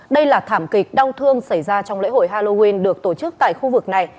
đây là thảm kịch đau thương xảy ra trong lễ hội halloween được tổ chức tại khu vực này